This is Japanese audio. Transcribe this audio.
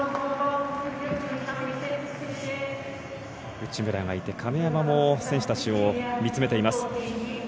内村がいて、亀山も選手たちを見つめています。